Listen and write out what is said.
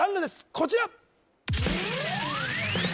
こちら